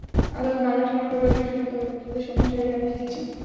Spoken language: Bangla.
আদালত মামলাটি গ্রহণ করে পত্রিকাটির সম্পাদকের বিরুদ্ধে সমন জারির আদেশ দিয়েছেন।